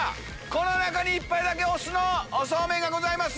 この中に１杯だけお酢のおソーメンがございます。